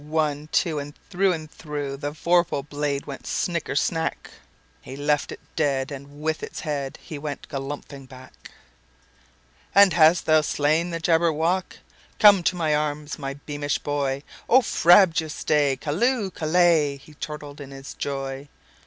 One, two! And through and throughThe vorpal blade went snicker snack! He left it dead, and with its headHe went galumphing back."And hast thou slain the Jabberwock? Come to my arms, my beamish boy!O frabjous day! Callooh! Callay!"He chortled in his joy.